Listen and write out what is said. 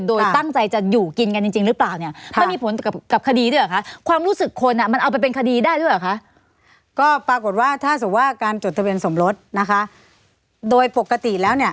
โดยตั้งใจจะอยู่กินกันจริงหรือเปล่า